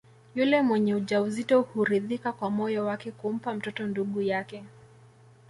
Yule mwenye ujauzito huridhika kwa moyo wake kumpa mtoto ndugu yake